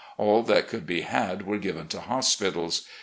AU that could be had were given to hospitals.